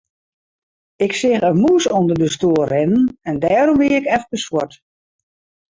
Ik seach in mûs ûnder de stoel rinnen en dêrom wie ik efkes fuort.